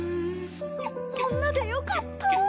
女でよかった。